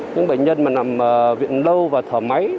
những bệnh nhân mà nằm viện đâu và thở máy